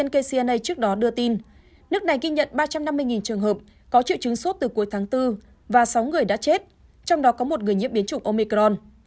kcna trước đó đưa tin nước này ghi nhận ba trăm năm mươi trường hợp có triệu chứng sốt từ cuối tháng bốn và sáu người đã chết trong đó có một người nhiễm biến chủng omicron